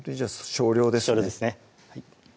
少量ですね